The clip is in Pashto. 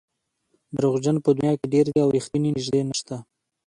دروغجن په دنیا کې ډېر دي او رښتیني نژدې نشته.